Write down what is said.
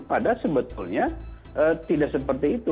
padahal sebetulnya tidak seperti itu